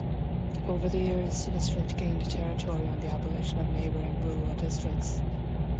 Over the years the district gained territory on the abolition of neighbouring rural districts.